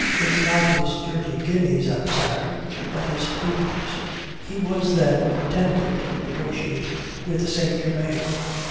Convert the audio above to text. It's not his dirty guineas I was after, but his papers. He was then pretending to negotiate with St. Germain.